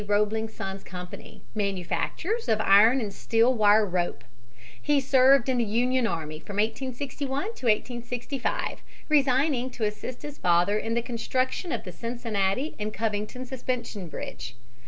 Roebling Sons' Company, manufacturers of iron and steel wire rope. He served in the Union Army from 1861 to 1865, resigning to assist his father in the construction of the Cincinnati and Covington suspension bridge.